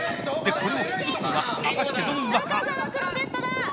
これを崩すのは果たしてどのうまか。